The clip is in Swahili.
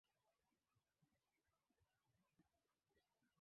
mchambuzi wa masuala ya kisiasa amboka andere